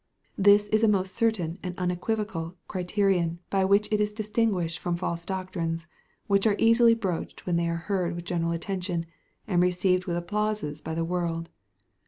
This is a most certain and unequivocal criterion by which it is distinguished from false doctrines, which are easily broached when they are heard with general attention, and received with applauses by the world.